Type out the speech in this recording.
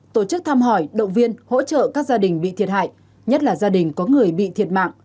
tổ chức thăm hỏi động viên hỗ trợ các gia đình bị thiệt hại nhất là gia đình có người bị thiệt mạng